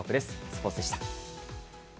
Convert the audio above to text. スポーツでした。